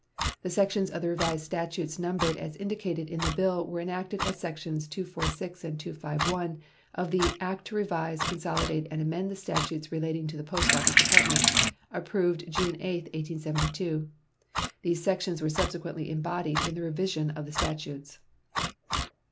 The sections of the Revised Statutes numbered as indicated in the bill were enacted as sections 246 and 251 of the "act to revise, consolidate, and amend the statutes relating to the Post Office Department," approved June 8, 1872. These sections were subsequently embodied in the revision of the statutes.